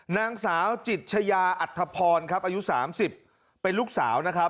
นางสาวจิตชายาอัธพรครับอายุ๓๐เป็นลูกสาวนะครับ